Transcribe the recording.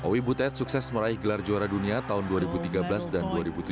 owi butet sukses meraih gelar juara dunia tahun dua ribu tiga belas dan dua ribu tujuh belas